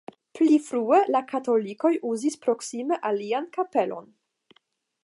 Pli frue la katolikoj uzis proksime alian kapelon.